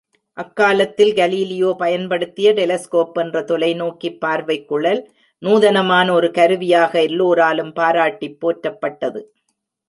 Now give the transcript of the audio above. அக்காலத்தில் கலீலியோ பயன்படுத்திய டெலஸ்கோப் என்ற தொலைநோக்கிப் பார்வைக் குழல் நூதனமான ஒரு கருவியாக எல்லோராலும் பாராட்டிப் போற்றப்பட்டது.